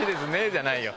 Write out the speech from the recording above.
じゃないよ。